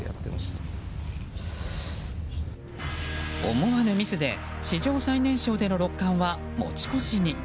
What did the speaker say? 思わぬミスで史上最年少での六冠は持ち越しに。